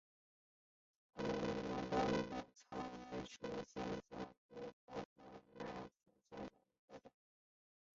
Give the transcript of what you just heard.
蚊母草为车前草科婆婆纳属下的一个种。